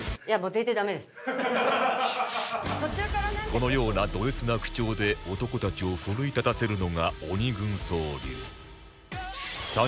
このようなド Ｓ な口調で男たちを奮い立たせるのが鬼軍曹流